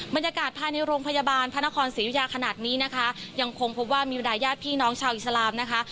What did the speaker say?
บรรยากาศภายในโรงพยาบาลพระนครศรียุยาขนาดนี้นะคะยังคงพบว่ามีบรรดายญาติพี่น้องชาวอิสลามนะคะ